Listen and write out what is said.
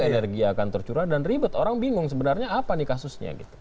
energi akan tercurah dan ribet orang bingung sebenarnya apa nih kasusnya gitu